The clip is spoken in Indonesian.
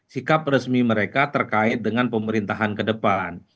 sikap resmi mereka terkait dengan pemerintahan ke depan